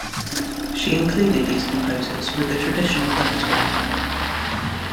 She included these composers with the traditional repertoire.